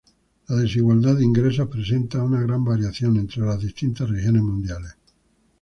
La desigualdad de ingresos presenta una gran variación entre las distintas regiones mundiales.